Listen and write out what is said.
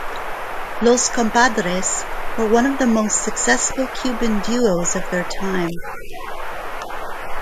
Los Compadres were one of the most successful Cuban duos of their time.